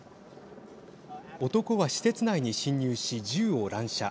男は施設内に侵入し銃を乱射。